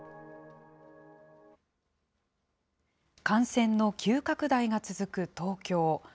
感染の急拡大が続く東京。